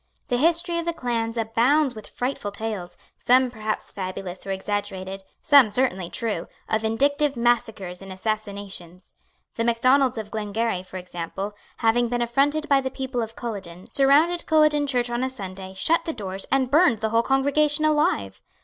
The history of the clans abounds with frightful tales, some perhaps fabulous or exaggerated, some certainly true, of vindictive massacres and assassinations. The Macdonalds of Glengarry, for example, having been affronted by the people of Culloden, surrounded Culloden church on a Sunday, shut the doors, and burned the whole congregation alive.